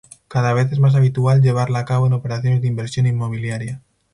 Cada vez es más habitual llevarla a cabo en operaciones de inversión inmobiliaria.